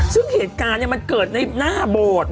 ซึ่งเหตุการณ์มันเกิดในหน้าโบสถ์